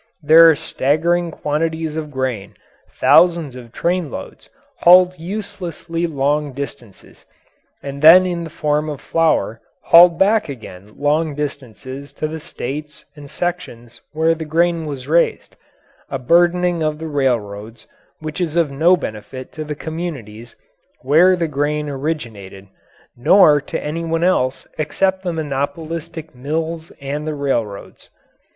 There are staggering quantities of grain, thousands of trainloads, hauled uselessly long distances, and then in the form of flour hauled back again long distances to the states and sections where the grain was raised a burdening of the railroads which is of no benefit to the communities where the grain originated, nor to any one else except the monopolistic mills and the railroads.